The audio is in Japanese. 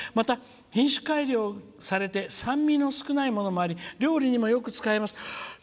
品種改良されて酸味の少ないものもあり料理にもよく使えます」。